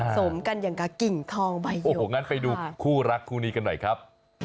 สมกันอย่างกับกิ่งทองใบนี้โอ้โหงั้นไปดูคู่รักคู่นี้กันหน่อยครับ